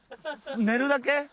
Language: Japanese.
寝るだけ？